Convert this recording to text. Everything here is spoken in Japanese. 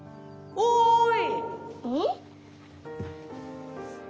おい！